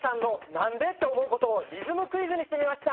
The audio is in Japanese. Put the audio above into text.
なんで？って思うことをリズムクイズにしてみました。